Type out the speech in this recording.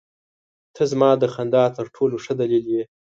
• ته زما د خندا تر ټولو ښه دلیل یې.